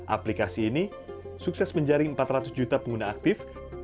aplikasi ini sukses menjaring empat ratus juta pengguna aktif